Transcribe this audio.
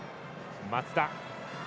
松田。